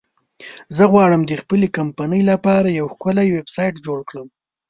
زه غواړم د خپلې کمپنی لپاره یو ښکلی ویبسایټ جوړ کړم